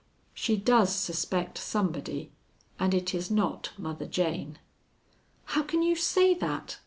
She does suspect somebody, and it is not Mother Jane." "How can you say that?"